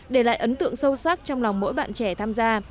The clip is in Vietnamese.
để lại ấn tượng sâu sắc trong lòng mỗi bạn trẻ tham gia